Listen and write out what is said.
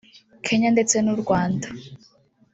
Kenya ndetse n’u Rwanda